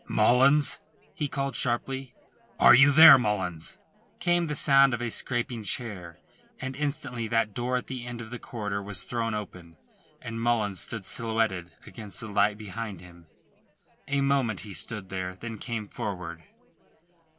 "Mullins!" he called sharply. "Are you there? Mullins?" Came the sound of a scraping chair, and instantly that door at the end of the corridor was thrown open, and Mullins stood silhouetted against the light behind him. A moment he stood there, then came forward.